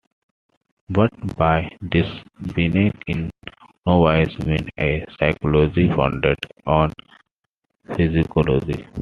But by this Beneke in no wise meant a psychology founded on physiology.